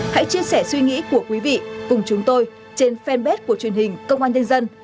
hãy chia sẻ suy nghĩ của quý vị cùng chúng tôi trên fanpage của truyền hình công an nhân dân